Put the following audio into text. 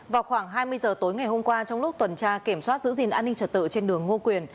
vào khoảng hai mươi giờ tối ngày hôm qua trong lúc tuần tra kiểm soát giữ gìn an ninh trật tự trên đường ngô quyền